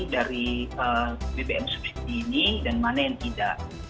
dari bpm bersubsidi ini dan mana yang tidak